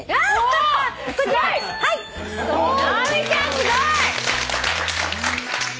すごい！